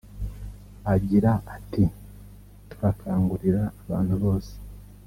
Agira ati “Turakangurira abantu bose